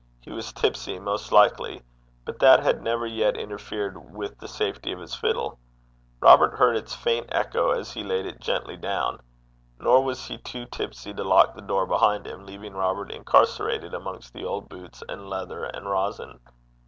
He was tipsy, most likely, but that had never yet interfered with the safety of his fiddle: Robert heard its faint echo as he laid it gently down. Nor was he too tipsy to lock the door behind him, leaving Robert incarcerated amongst the old boots and leather and rosin.